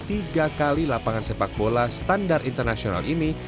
pertamina pride adalah sebuah kapal yang memiliki keuangan sepak bola standar internasional ini